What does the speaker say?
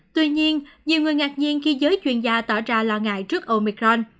tuy nhiên nhiều người ngạc nhiên khi giới chuyên gia tỏ ra lo ngại trước omicron